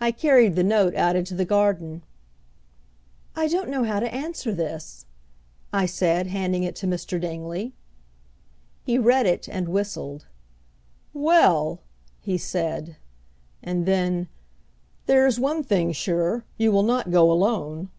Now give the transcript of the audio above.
I carried the note out into the garden. "I don't know how to answer this," I said, handing it to Mr. Dingley. He read it, and whistled. "Well!" he said; and then, "there's one thing sure; you will not go alone!"